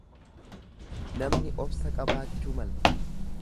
Namni obsa qabaachuu mala.